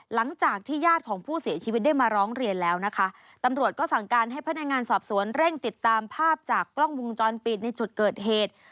หลังจากที่ญาติของผู้เสียชีวิตได้มาร้องเรียนแล้วนะคะตำรวจก็สั่งการให้พนักงานสอบสวนเร่งติดตามภาพจากกล้องวงจรปิดในจุดเกิดเหตุ